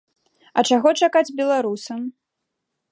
А чаго чакаць беларусам?